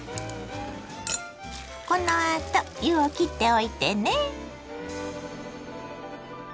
このあと湯をきっておいてね。